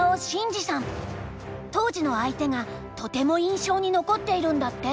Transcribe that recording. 当時の相手がとても印象に残っているんだって。